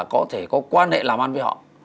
có thể có quan hệ làm ăn với họ